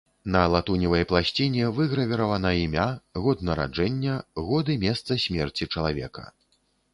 На латуневай пласціне выгравіравана імя, год нараджэння, год і месца смерці чалавека.